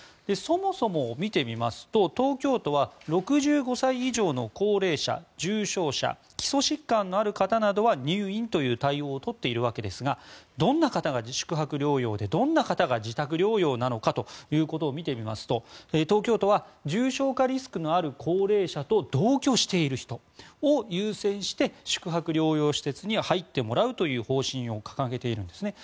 そもそもを見てみますと東京都は６５歳以上の高齢者重症者基礎疾患のある方などは入院という対応を取っているわけですがどんな方が宿泊療養でどんな方が自宅療養なのかということを見てみますと東京都は重症化リスクのある高齢者と同居している人を優先して宿泊療養施設に入ってもらうという方針を掲げているんです。